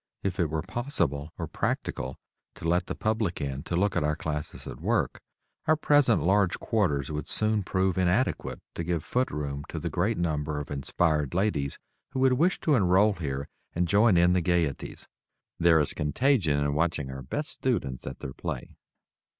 If it were possible or practical to let the public in to look at our classes at work, our present large quarters would soon prove inadequate to give foot room to the great number of inspired ladies who would wish to enroll here and join in the gayeties. There is contagion in watching our best students at their "play."